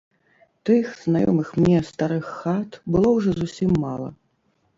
Тых, знаёмых мне, старых хат было ўжо зусім мала.